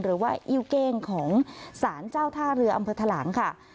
หรือว่ายู่เก้งของศาลเจ้าท่าเรืออำเภอธรรมขา